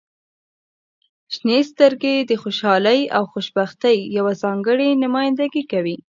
• شنې سترګې د خوشحالۍ او خوشبختۍ یوه ځانګړې نمایندګي کوي.